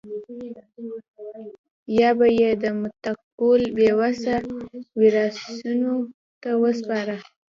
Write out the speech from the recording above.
یا به یې د مقتول بې وسه وارثینو ته ورسپاره.